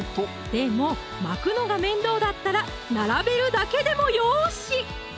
でも巻くのが面倒だったら並べるだけでもよし！